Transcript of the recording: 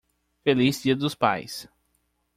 Feliz dia dos pais!